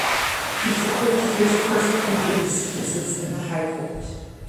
He frequently hears personal injuries cases in the High Court.